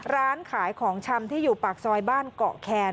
ร้านขายของชำที่อยู่ปากซอยบ้านเกาะแคน